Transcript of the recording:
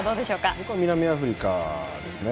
僕は南アフリカですね。